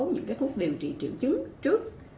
những thuốc điều trị triệu chứng trước